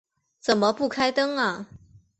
怎么不开灯啊